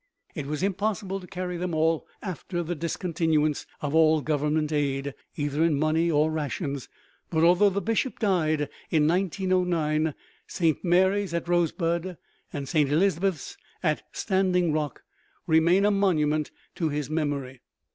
It was impossible to carry them all after the discontinuance of all Government aid, either in money or rations, but, although the Bishop died in 1909, Saint Mary's at Rosebud and Saint Elizabeth's at Standing Rock remain a monument to his memory.